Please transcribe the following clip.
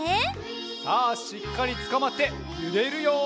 さあしっかりつかまってゆれるよ！